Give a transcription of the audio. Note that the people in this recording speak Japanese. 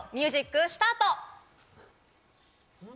さぁミュージックスタート！